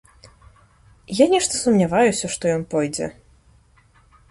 І я нешта сумняваюся, што ён пойдзе.